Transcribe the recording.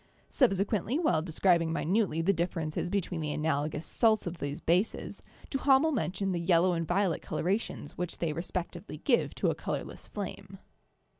Subsequently, while describing minutely the differ ences between the analogous salts of these bases, Duha mel mentioned the yellow and violet colorations which they respectively give to a colorless flame.